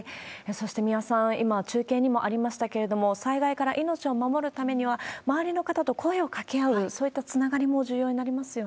そして三輪さん、今、中継にもありましたけれども、災害から命を守るためには、周りの方と声をかけ合う、そういったつながりも重要になりますよ